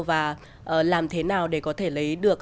và làm thế nào để có thể lấy được